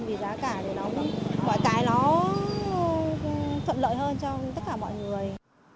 vì giá cả để nó thuận lợi hơn cho tất cả mọi người